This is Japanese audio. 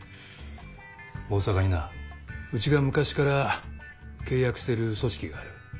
大阪になうちが昔から契約してる組織がある。